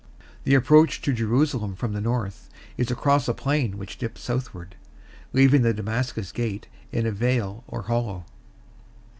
The approach to Jerusalem from the north is across a plain which dips southward, leaving the Damascus Gate in a vale or hollow.